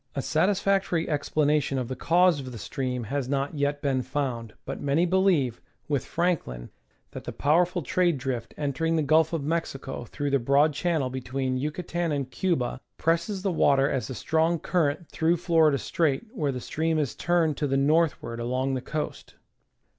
A satisfactory explanation of the cause of the stream has not yet been found, but many believe, with Franklin, that the power ful trade drift entering the Gulf of Mexico through the broad channel between Yucatan and Cuba presses the water as a strong current through Florida Strait, where the stream is turned to the northward along the coast.